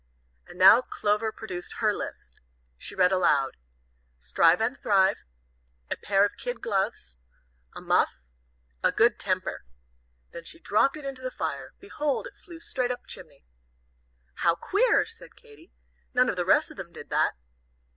And now Clover produced her list. She read aloud: "'Strive and Thrive,' A pair of kid gloves, A muff, A good temper!" Then she dropped it into the fire. Behold, it flew straight up chimney. "How queer!" said Katy; "none of the rest of them did that."